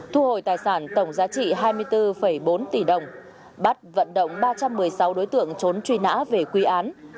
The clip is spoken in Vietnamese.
thu hồi tài sản tổng giá trị hai mươi bốn bốn tỷ đồng bắt vận động ba trăm một mươi sáu đối tượng trốn truy nã về quy án